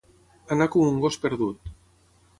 Anar com un gos perdut.